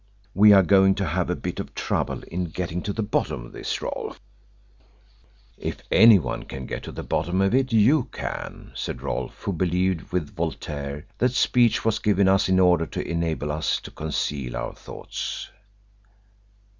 We are going to have a bit of trouble in getting to the bottom of this, Rolfe." "If anyone can get to the bottom of it, you can," said Rolfe, who believed with Voltaire that speech was given us in order to enable us to conceal our thoughts.